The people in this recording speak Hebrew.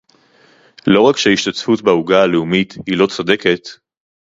לא רק שההשתתפות בעוגה הלאומית היא לא צודקת